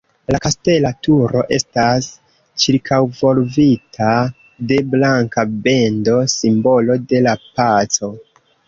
La kastela turo estas ĉirkaŭvolvita de blanka bendo, simbolo de la paco.